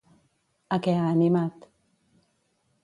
A què ha animat?